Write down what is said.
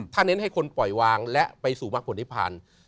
ท่านเน้นให้คนปล่อยวางและไปสู่มหัวผลิพรรณ